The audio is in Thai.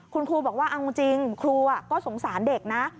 คุณครูบอกว่าเอาจริงครูก็สงสารเด็กนะ